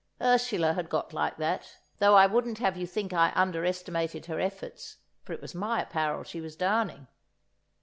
Ursula had got like that, though I wouldn't have you think I under estimated her efforts, for it was my apparel she was darning.